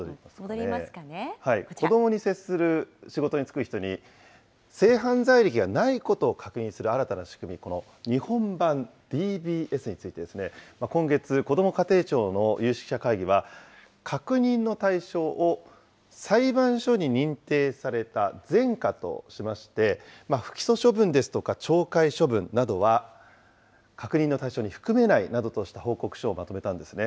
子どもに接する仕事に就く人に、性犯罪歴がないことを確認する新たな仕組み、この日本版ＤＢＳについてですね、今月、こども家庭庁の有識者会議は、確認の対象を裁判所に認定された前科としまして、不起訴処分ですとか懲戒処分などは、確認の対象に含めないなどとした報告書をまとめたんですね。